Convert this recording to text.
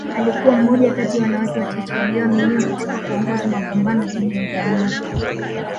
Alikuwa mmoja kati ya wanawake wachache walioaminiwa katika kuongoza mapambano dhidi ya udhalimu